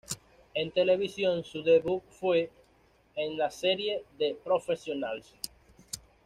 En televisión su debut fue en la serie "The Professionals".